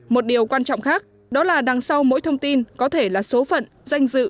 một điều quan trọng khác đó là đằng sau mỗi thông tin có thể là số phận danh dự